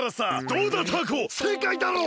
どうだタアコせいかいだろう！？